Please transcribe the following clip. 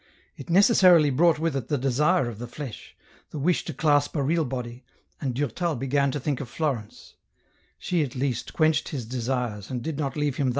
It necessarily brought with it the desire of the flesh, the wish to clasp a real body, and Durtal began to think of Florence ; •lie at least quenched his desires, and did not leave him I EN ROUTE.